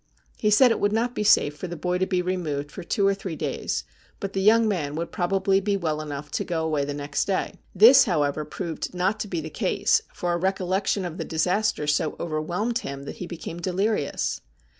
He said it would not be safe for the boy to be removed for two or three days, but the young man would probably be well enough to go away the next day. This, however, proved not to be the case, for a recollection of the disaster so overwhelmed him that he became delirious.